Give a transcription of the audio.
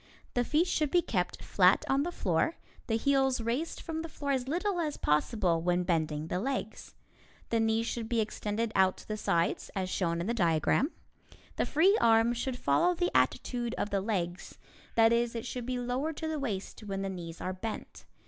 The feet should be kept flat on the floor, the heels raised from the floor as little as possible when bending the legs. The knees should be extended to the sides, as shown in the diagram. The free arm should follow the attitude of the legs that is, it should be lowered to the waist when the knees are bent.